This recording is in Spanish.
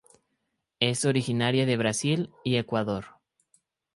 Es originaria de Brasil y Ecuador.